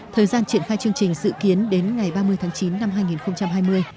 thời gian triển khai chương trình dự kiến đến ngày ba mươi tháng chín năm hai nghìn hai mươi